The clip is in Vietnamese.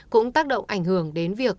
cũng tác động ảnh hưởng đến việc